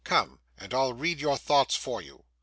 Come and I'll read your thoughts for you.